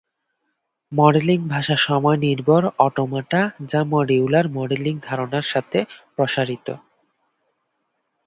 Modelling ভাষা সময়নির্ভর automata যা মডিউলার মডেলিং ধারণার সাথে প্রসারিত।